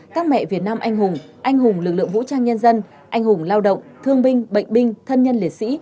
các mẹ việt nam anh hùng anh hùng lực lượng vũ trang nhân dân anh hùng lao động thương binh bệnh binh thân nhân liệt sĩ